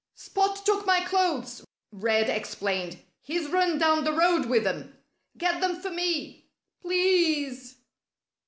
"Spot took my clothes," Red explained. "He's run down the road with them. Get them for me please!"